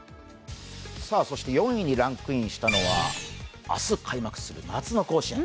４位にランクインしたのは、明日開幕する夏の甲子園。